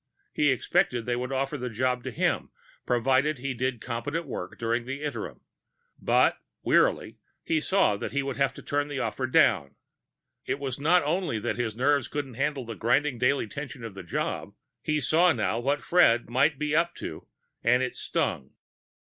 He expected they would offer the job to him, provided he did competent work during the interim; but, wearily, he saw he would have to turn the offer down. It was not only that his nerves couldn't handle the grinding daily tension of the job; he saw now what Fred might be up to, and it stung.